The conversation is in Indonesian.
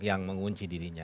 yang mengunci dirinya